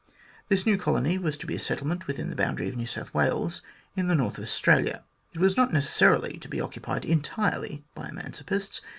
This new colony was to be a settlement within the boundary of New South Wales in the north of Australia. It was not necessarily to be occupied en tirely by emancipists.